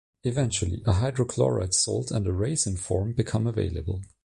Eventually a hydrochloride salt and a resin form became available.